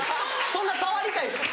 そんな触りたいですか？